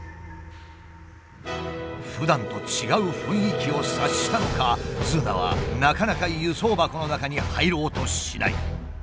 ふだんと違う雰囲気を察したのかズーナはなかなか輸送箱の中に入ろうとしない。